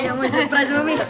ada masalah suami